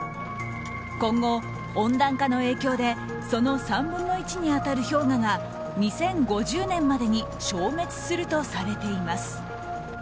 今後、温暖化の影響でその３分の１に当たる氷河が２０５０年までに消滅するとされています。